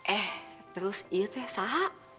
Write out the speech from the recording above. eh terus iut teh sah